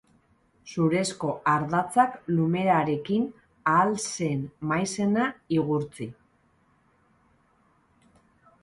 Zurezko ardatzak lumerarekin ahal zen maizena igurtzi.